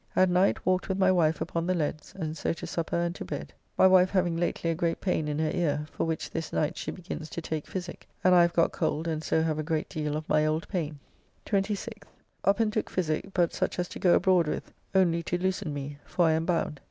At night walked with my wife upon the leads, and so to supper and to bed. My wife having lately a great pain in her ear, for which this night she begins to take physique, and I have got cold and so have a great deal of my old pain. 26th. Up and took physique, but such as to go abroad with, only to loosen me, for I am bound.